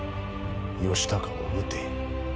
義高を討て。